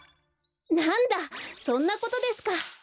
なんだそんなことですか。